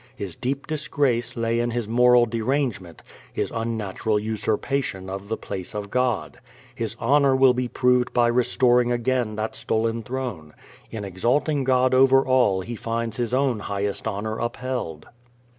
His deep disgrace lay in his moral derangement, his unnatural usurpation of the place of God. His honor will be proved by restoring again that stolen throne. In exalting God over all he finds his own highest honor upheld.